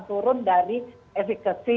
turun dari efekasi